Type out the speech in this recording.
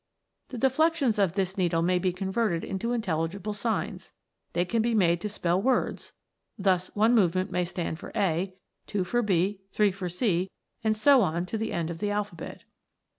The deflections of this needle may be converted into intelligible signs. They can be made to spell words ; thus, one movement may stand for a ; two for b ; three for c, and so on to the end of the al phabet.